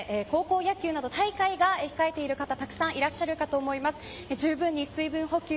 都内では高校野球の大会を控えている方たくさんいらっしゃるかと思います。